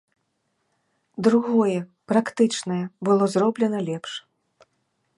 Другое, практычнае, было зроблена лепш.